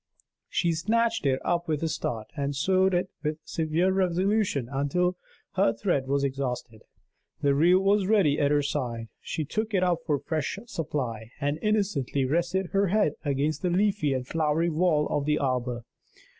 She snatched it up with a start, and sewed with severe resolution until her thread was exhausted. The reel was ready at her side; she took it up for a fresh supply, and innocently rested her head against the leafy and flowery wall of the arbor.